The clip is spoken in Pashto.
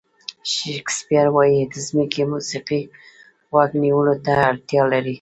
شکسپیر وایي د ځمکې موسیقي غوږ نیولو ته اړتیا لري.